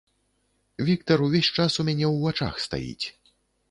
Віктар увесь час ў мяне ў вачах стаіць.